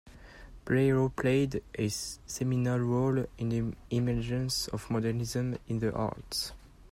Pierrot played a seminal role in the emergence of Modernism in the arts.